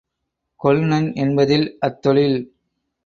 கொள்நன் என்பதில் அத் தொழில்